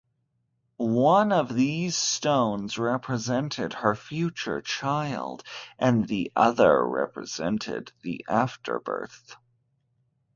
One of these stones represented her future child and the other represented the afterbirth.